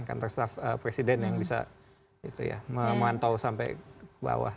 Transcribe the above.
kenter staff presiden yang bisa memantau sampai ke bawah